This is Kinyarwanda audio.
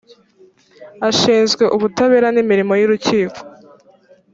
ashinzwe ubutabera n’imirimo y’urukiko